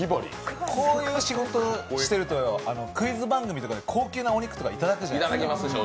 こういう仕事をしてるとクイズ番組とかで高級なお肉とか頂くじゃないですか。